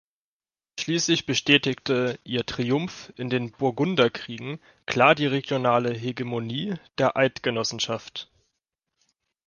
Schließlich bestätigte ihr Triumph in den Burgunderkriegen klar die regionale Hegemonie der Eidgenossenschaft.